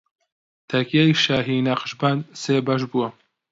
تەکیەی شاهی نەقشبەند سێ بەش بووە